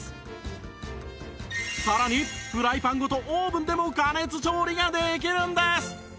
さらにフライパンごとオーブンでも加熱調理ができるんです